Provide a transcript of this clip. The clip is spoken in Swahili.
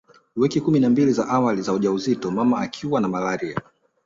Wiki kumi na mbili za awali za ujauzito mama akiwa na malaria